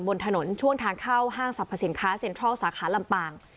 บนถนนช่วงทางเข้าห้างสรรพสินค้าเซ็นทรัลสาขาลำปาง